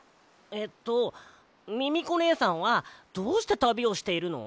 えっとミミコねえさんはどうしてたびをしているの？